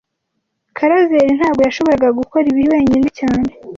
Karaveri ntago yashoboraga gukora ibi wenyine cyane